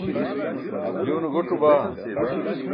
je une guc̣o baa